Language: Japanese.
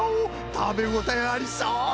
たべごたえありそう！